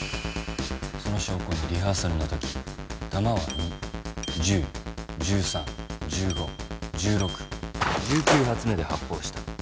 その証拠にリハーサルのとき弾は２・１０・１３・１５・１６・１９発目で発砲した。